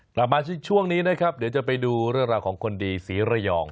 กลับมาช่วงนี้นะครับเดี๋ยวจะไปดูเรื่องราวของคนดีศรีระยอง